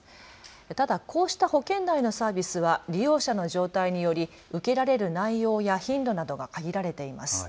ただこうした保険内のサービスは利用者の状態により、受けられる内容や頻度などが限られています。